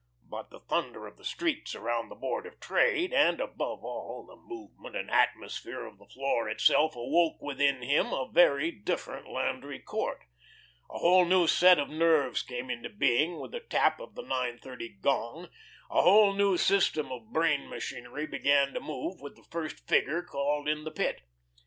But the thunder of the streets around the Board of Trade, and, above all, the movement and atmosphere of the floor itself awoke within him a very different Landry Court; a whole new set of nerves came into being with the tap of the nine thirty gong, a whole new system of brain machinery began to move with the first figure called in the Pit.